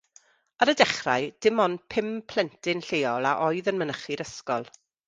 Ar y dechrau, dim ond pum plentyn lleol a oedd yn mynychu'r ysgol.